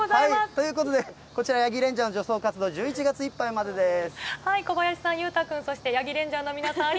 ということで、こちら、ヤギレンジャーの除草活動、１１月いっぱいまでです。